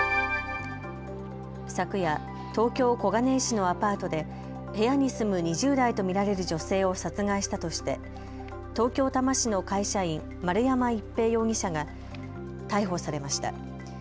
昨夜、東京小金井市のアパートで部屋に住む２０代と見られる女性を殺害したとして東京多摩市の会社員丸山一平容疑者が逮捕されました。